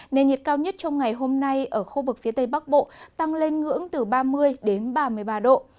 nền nhiệt cao nhất trong ngày hôm nay ở khu vực phía tây bắc bộ tăng lên ngưỡng từ ba mươi đến ba mươi ba độ